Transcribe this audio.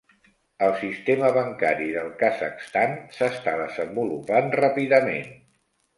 El sistema bancari del Kazakhstan s'està desenvolupant ràpidament.